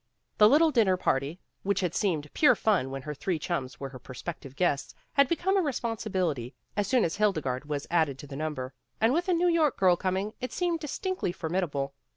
The little dinner party, which had seemed pure fun when her three chums were her prospective guests, had become a responsibility, as soon as Hildegarde was added to the number. And with a New York girl coming, it seemed distinctly formidable.